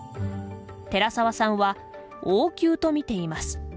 寺沢さんは、王宮と見ています。